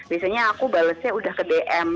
biasanya aku balesnya udah ke dm